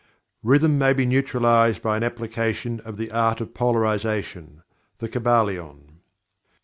"Rhythm may be neutralized by an application of the Art of Polarization." The Kybalion.